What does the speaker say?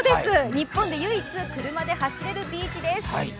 日本で唯一、車で走れるビーチです。